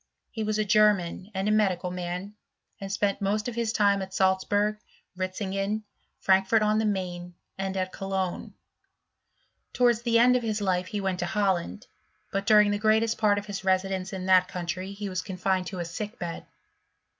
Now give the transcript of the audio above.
He was a German and a medical man, spent most of his time at Salzburg, Ritzingen, Fi fort on the Maine, and at Cologne. Towards of his life he went to Holland, but during the part of his residence in that country he was coni to a sick bed.